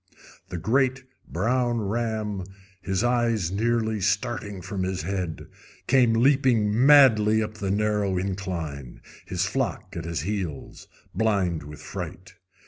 The great brown ram, his eyes nearly starting from his head, came leaping madly up the narrow incline, his flock at his heels, blind with fright.